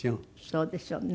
そうですよね。